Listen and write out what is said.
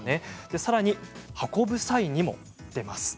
さらに運ぶ際にも出ます。